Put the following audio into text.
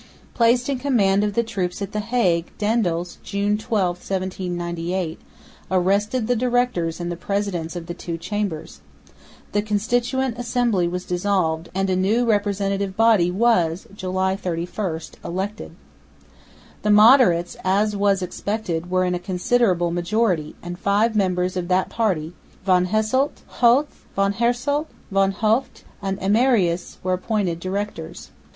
Placed in command of the troops at the Hague, Daendels (June 12, 1798) arrested the directors and the presidents of the two Chambers. The Constituent Assembly was dissolved and a new Representative Body was (July 31) elected. The moderates, as was expected, were in a considerable majority; and five members of that party, Van Hasselt, Hoeth, Van Haersolte, Van Hoeft and Ermerius were appointed Directors.